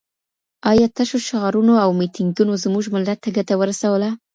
ایا تشو شعارونو او میټینګونو زموږ ملت ته ګټه ورسوله؟